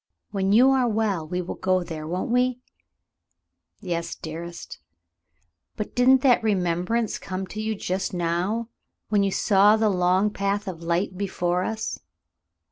When you are well, we will go there, won't we.'^" "Yes, dearest ; but didn't the remembrance come to you just now, when you saw the long path of light before us